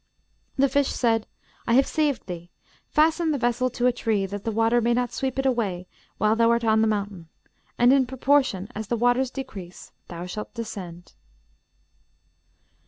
The fish said, 'I have saved thee; fasten the vessel to a tree, that the water may not sweep it away while thou art on the mountain; and in proportion as the waters decrease thou shalt descend.'